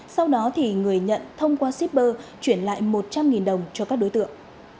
sau đó thì người nhận thông qua shipper chuyển lại một trăm linh đồng cho các đối tượng